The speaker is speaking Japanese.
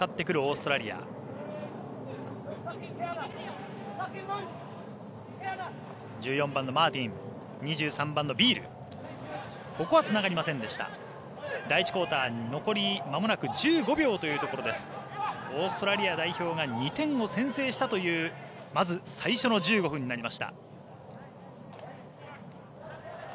オーストラリア代表が２点を先制したというまず最初の１５分になりました。